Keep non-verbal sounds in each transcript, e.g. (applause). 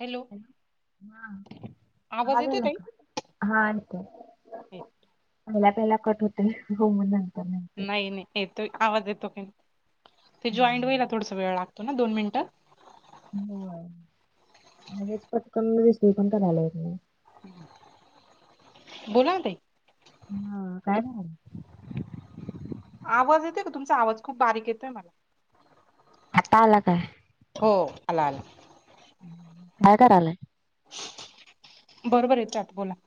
Hello ह. (unintelligible) आवाज येतोय ताई? हा येत- पहिला पहिला कट होतय हो मजाक. नाही नाही येतोय का आवाज येतो काही ते जॉईंट व्हायला थोडसा वेळ लागतो दोन मिनिटं. हो लगेच पटकन (unintelligible) झालं होतं. बोला ना ताई. ह काय म्हणत होती? आवाज येतोय का तुमचा आवाज खूप बारीक येतोय मला. आत्ता आला ताई. हो आला आला.. काय करालाय? बरोबर आहे (inaudible) बोला.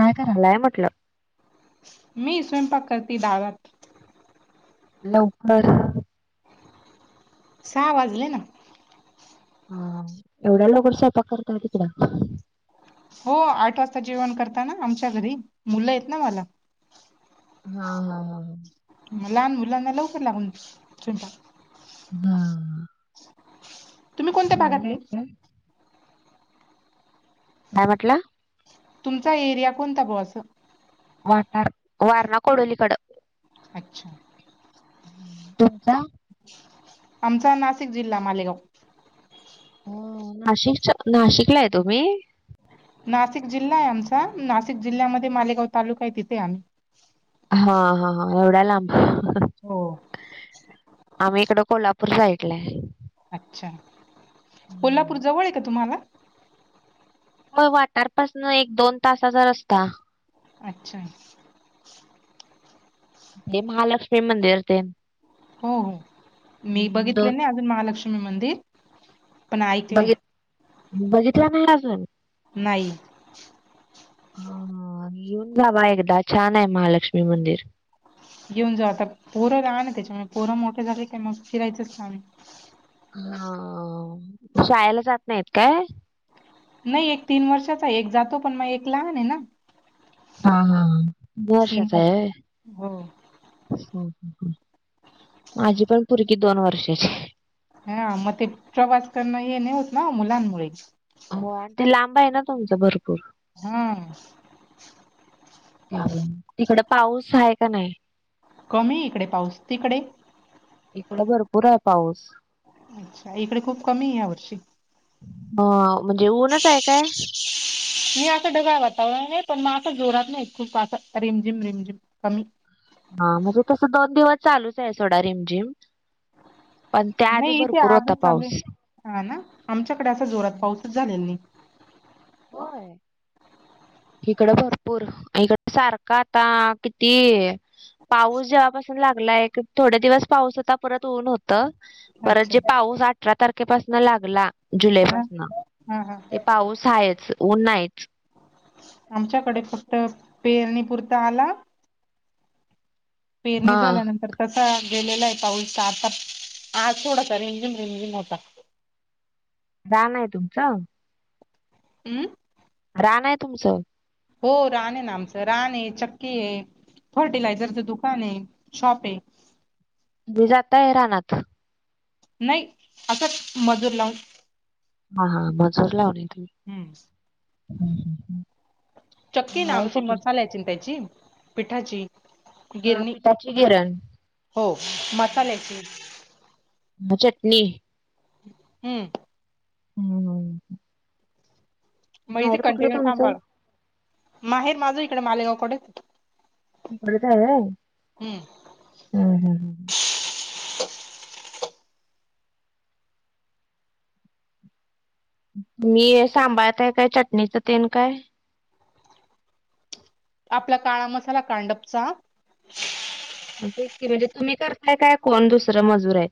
काय करायलाय म्हटलं? मी स्वयंपाक करते (inaudible) लवकर? सहा वाजले ना. हा एवढ्या लवकर स्वयंपाक करतात तिकडं? हो आठ वाजता जेवण करताना आमच्या घरी मुलं आहेत ना मला. हा हा हा ह.. लहान मुलांना लवकर लागून स्वयंपाक. हा.. तुम्ही कोणत्या शाळेला भागातले? आहेत काय? काय म्हंटला? तुमचा एरिया कोणता बु असं? वाठार वारणा कोडोलीकडं. अच्छा.. तुमचा? आमचा नाशिक जिल्हा मालेगाव. हम नाशिकच्या. नाशिकला आहे तुम्ही? नाशिक जिल्हा आहे आमचा, नाशिक जिल्ह्यामध्ये मालेगाव तालुका आहे तिथे आहे आम्ही हा हा हा एवढा लांब? हो. आम्ही इकडं कोल्हापूर साईटला आहे. अच्छा. हम्म. कोल्हापूर जवळ आहे का तुम्हांला? होय वाटारपासन एक दोन तासाचा रस्ता. अच्छा.. ते महालक्ष्मी मंदिर तेन. हो हो मी बघितले दोन नाही अजून महालक्ष्मी मंदिर. पण ऐकलंय बघित बघितलं नाही अजून नाही. हा ह येऊन जावा एकदा, छान आहे महालक्ष्मी मंदिर. येेऊन जाऊ आता पोरं लहान आहे ना त्याच्यामुळे पोरं मोठे झाले का मग फिरायचं काम आहे. हा शाळेला जात नाहीत काय? नाही एक तीन वर्षाचा एक जातो पण मग एक लहान आहे ना. हा हा तीन तीन वर्षाचा वर्ष आहे होय. हो हो. माझी पण पोरगी दोन वर्षाची आहे. हा मग ते प्रवास करण येणे होत ना मुलांमुळे. हो आणि ते लांब आहे ना तुमचं भरपूर हम्म. तिकड पाऊस आहे का नाही.. कमी आहे इकडे पाऊस. तिकडे? इकडं भरपूर आहे पाऊस. अच्छा.. इकडे खूप कमी या वर्षी. ह म्हणजे ऊनच आहे काय? मी असं ढगाळ वातावरण आहे, पण मग असं जोरात नाही, खूप असं रिमझिम रिमझिम कमी. हा तसं दोन चालूच आहे, सोडा रिम-जिम. पण त्याआधी नाही इथे भरपूर होता आजच चालू पाऊस. आहे हा ना आमच्याकडे असा जोरात पाऊसच झालेला नाही. होय. इकडं भरपूर, इकड सारखा आता किती. पाऊस जेव्हापासून लागलाय, थोडे दिवस पाऊस होता आता परत ऊन होत. परत अच्छा जे पाऊस, अठरा तारखेपासन लागला जुलै हा पासन. हा हा पाऊस आहेच, ऊन नाहीच. आमच्याकडे फक्त पेरणीपुरता आला. पेरणी हां, झाल्यानंतर तस गेलेला पाऊलचा, आज थोडासा रिमझिम होता. राण आहे तुमचं? हम. रान आहे तुमचं? हो रान आहे, ना आमचं रान आहे, चक्की आहे, फर्टिलायझरचं दुकान आहे, शॉप आहे. मी जाताय रानात? नाही, असं मजूर लावून. हा, हा मजूर लावलाय तुम्ही. हम्म. हम् (unintelligible) चक्की ना आमची, मसाल्याची ना त्याची पिठाची. हा गिरणी पिठाची गिरण. हो मसाल्याची. ह चटणी. हम्म. हम. म्हग ते कंटिन्यू थांबाव तुमचं? लागत, माहेर माझं इकडे मालेगावकडेच. पुतर आहे (unintelligible) हम्म. तुम्ही सांबळत आहे काय, चटणीचं तेन काय. आपला काळा मसाला कांडपचा. तेच की, म्हणजे तुम्ही करताय काय कोण दुसरं मजूर आहे.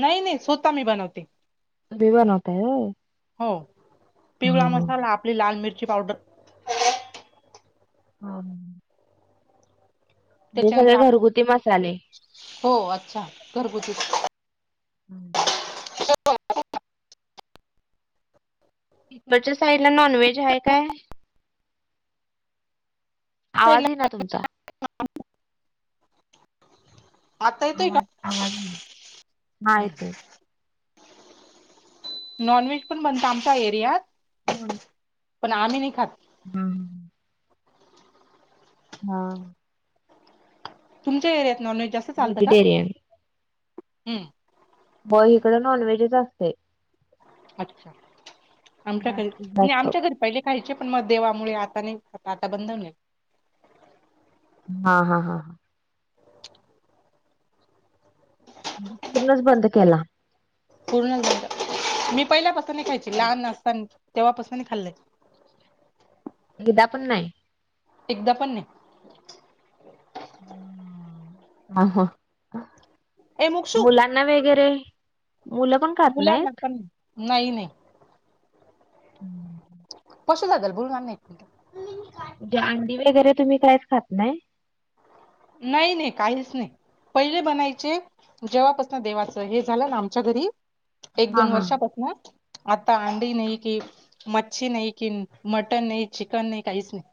नाही-नाही स्वत मी बनवते. तुम्ही बनवताय होय. हो, पिवळा हम्म हम्म. मसाला, आपली लाल मिरची पावडर. हम. त्याच्यानंतर सगळे आप, घरगुती मसाले. हो अच्छा घरगुती. हम् (unintelligible) हो (unintelligible) तीकडच्या साईड ला नॉनव्हेज आहे काय? आवाज पहिला- येईना तुमचा. आता येतोय का? आवाज आवाज, हा हम्म. येतोय. नॉन व्हेज पण बनतं आमच्या एरियात. मोनऽ (unintelligible) पण आम्ही नाही खात. हम्म्म, हां, तुमच्या एरियात नॉनव्हेज जास्ं चालतं का? व्हेजिटेरियन हमम. होय, इकडं नॉनव्हेजच असतंय. अच्छा, आमच्याकडे जास्तीत नाही जास्त आमच्याघरी पहिले खायचे, पण मग देवामुळे आता नाही खात, आता बंधन ये. हा, हा, हा, हा. पूर्णच बंद केला? पूर्णच बंद, मी पहिल्यापासून नही खायची, लहान असताना तेव्हापासून नही खाल्लंय. एकदा पण नाही. एकदा पण नाही. हा हा, ए मुक्षू मुला लाना वगैरे, मुल का मुलांना पण, नाही- नाही. हम्. (inaudible) पशू दादाला बोलवुन आण ना एक मिनिटं. म्हणजे अंडी वगैरे तुम्ही कायच खात नाही? नाही-नाही काहीच नाही. पहिले बनायचे, जेव्हापासनं देवाचं हे झालं ना आमच्या घरी एक, हा दोन हा वर्षापासनं आता अंडी नाही की, मच्छी नाही की, मटन नाही चिकन नाही काहीच नाही.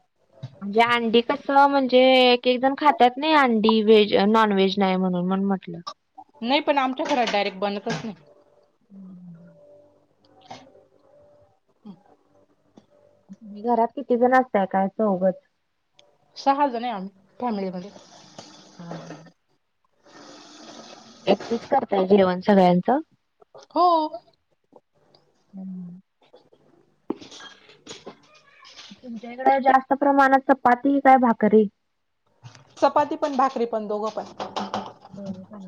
म्हणजे अंडी कसं, म्हणजे एक, एक जण खात्यात नाही, अंडी व्हेज नॉन व्हेज नाही म्हणून म्हटलं. नाही पण आमच्या घरात डायरेक्ट बनतच नाही. हम्म, घरात किती जण असतायं, काय चौगच? सहा जण आहे आमी, फॅमिली मध्ये. हां- हां. एकटीचं करताय जेवण सगळ्यांचं? हो, अं मं, (inaudible) तुमच्या इकडं जास्त प्रमाणात चपाती का भाकरी? चपाती पन, भाकरी पण दोघं पण. बरोबर,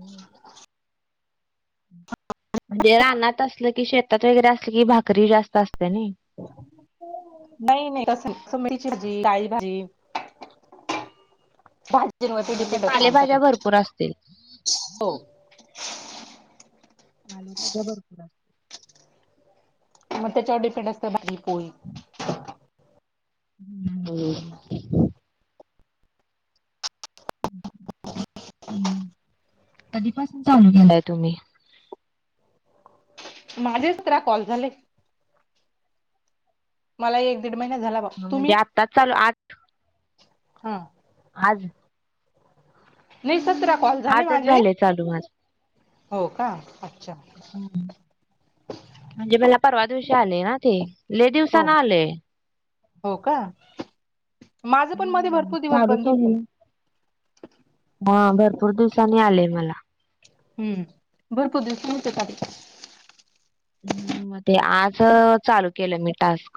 म्हणजे रानात असलं की शेतात वगैरे असलं, की भाकरी जास्त असत्या नई. नाही -नाही तसं नाही, (unintelligible) काळी भाजी, भाजी हा मध्ये म्हणजे डिपेड असतं पालेभाज्या आमच्यात, भरपूर असतील. हो. पालेभाज्या भरपूर असतात. म त्याच्यावर डिपेंड असत भाजी-पोळी. हम्म, हम्म, कधी पासून चालु केलाय तुम्ही? माझे सतरा कॉल झाले.. मला एकदीड महिना झाला. बा हा म्हणजे तुम्ही आत्ताच चालू, आठ हा आज- नाही सतरा कॉल झाले आजच माझे. झालंय चालू माझं. हो का, अच्छा. म्हणजे मला परवा दिवशी आले ना ते. लई हो दिवसान आलेय. हो का माझं पण मध्ये भरपूर दिवस चालू बंद केलेलं. (inaudible) हा अग भरपूर दिवसाांनी आलेय मला. हम्म भरपूर दिवस म्हणजे काय? ते आज चालू केलं मी टास्क.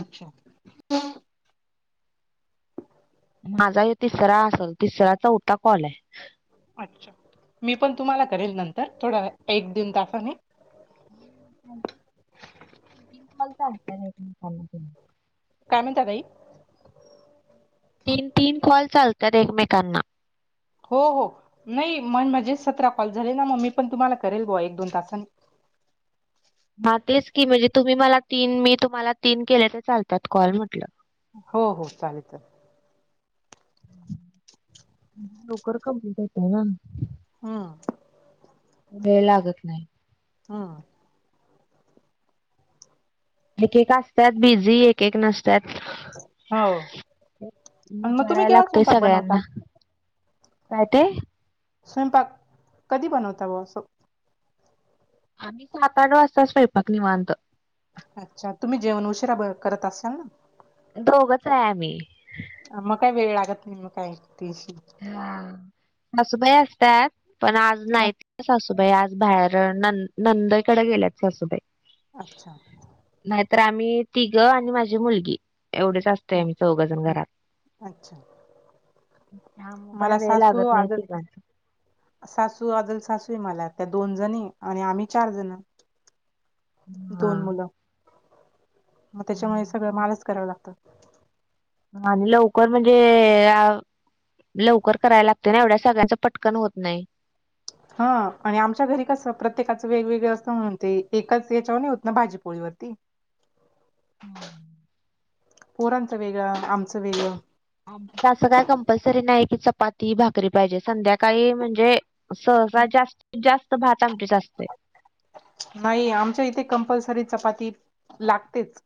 अच्छा. माझा तिसरा असेल, तिसरा चौथा कॉल आहे. अच्छा मी पण तुम्हाला करेन नंतर थोडा वेळ, एक दोन तासांनी. काल सांच्याला इथून कॉल केला. काय म्हणता ताई? तीन तीन कॉल चालतात एकमेकांना. हो हो नाही मण म्हणजे सतरा कॉल झाले ना मग मी पण तुम्हाला करेल बुवा एक दोन तासांनी. हा तेच की म्हणजे तुम्ही मला तीन, मी तुम्हाला तीन केले तर चालतात कॉल म्हटलं. हो हो चालेल चालेल. लवकर कम्प्युटर घेताय ना. हम् वेळ लागत नाही. हा एक एक असत्यात बिझी, एक एक नस- त्यात. हो आणि मग तुम्ही विचाराय केव्हा लागतय स्वयंपाक बनवता? सगळ्यांना. काय ते? स्वयंपाक कधी बनवता बुवा अस. आम्ही सात आठ वाजता स्वयंपाक निवांत. अच्छा तुम्ही जेवण उशिरा ब करत असाल ना? दोघच आहे आम्ही. आ मग काय वेळ लागत नाही म काय टेस्ट हा सासूबाई असत्यात पण आज ह नाही. सास- बाई आज बाहेर नं नंदईकडे गेल्यात सासूबाई. अच्छा. नाहीतर आम्ही तिघं आणि माझी मुलगी एवढेच अस- ते हम्म आम्ही चौघजण हम्म घरात. अच्छा. हा मग काय मला वेळ सासू लागत नाही आजल तिघांना. सासू, आजल सासू आहे मला, त्या दोन जण आणि आम्ही चार जण. दोन मुलं. मग त्याच्यामुळे पण सगळं मालाच कराव लागतं. आणि लवकर म्हणजे अ- लवकर करायला लागते ना, एवढ्या सगळ्यांचं पटकन होत नाही. हा आणि आमच्या घरी कसं प्रत्येकाचं वेगवेगळ असंत म्हणजे एकच याच्यावर नाही होत ना भाजीपोळीवरती. हम्. पोरांच वेगळ आमच वेगळ. अस काय कंपल्सरी नाही कि, चपाती भाकरी पाहिजे संध्याकाळी म्हणजे सहसा जास्त- जास्त भात आमटीच आसतेय. नाही आमच्या इथे कंपल्सरी चपाती लागतेच.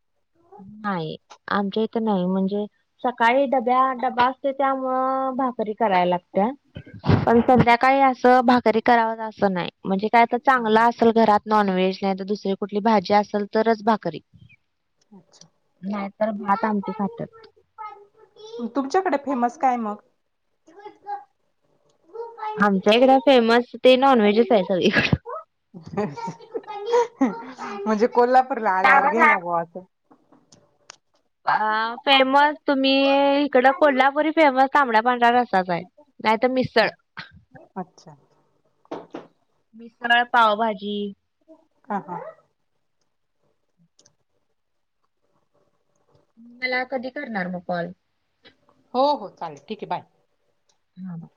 नाही आमच्या इथ नाई म्हणजे सकाळी डब्या डबा असते त्यामुळ अ भाकरी कराया लागत्या. पण संध्याकाळी अस भाकरी कराव अस नाही म्हणजे काय त चांगला असेल घरात नॉनव्हेज नाही, तर दुसरी कुठली भाजी असेल तरच भाकरी. (inaudible) नाही तर भात आमटी खात्यात. तुमच्याकडे फेमस काय मग? आमच्या इकड फेमस ते नॉनव्हेजच आहे सगळीकड. म्हणजे कोल्हापूरला आल्यावर कारण आहे. गेला बॉ अस.. अ फेमस तुम्ही इकड कोल्हापुरी फेमस तांबडा, पांढरा रस्साच आहे. नाही तर मिसळ. अच्छा. मिसळ, पावभाजी. हा हा. मला कधी करणार मग कॉल? हो हो चालेल ठीक आहे बाय. (unintelligible)